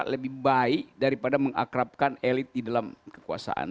lebih baik daripada mengakrabkan elit di dalam kekuasaan